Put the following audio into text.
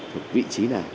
thuộc vị trí nào